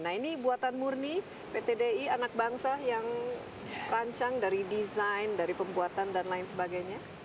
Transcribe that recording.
nah ini buatan murni pt di anak bangsa yang rancang dari desain dari pembuatan dan lain sebagainya